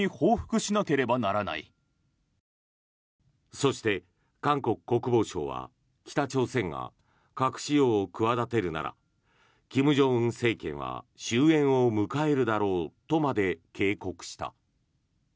そして、韓国国防省は北朝鮮が核使用を企てるなら金正恩政権は終えんを迎えるだろうとまで警告した。